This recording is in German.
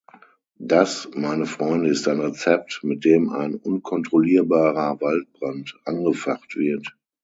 Das, meine Freunde, ist ein Rezept, mit dem ein unkontrollierbarer Waldbrand angefacht wird.